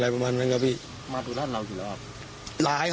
ประมาณนั้น